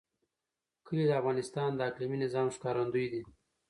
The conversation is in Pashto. کلي د افغانستان د اقلیمي نظام ښکارندوی ده.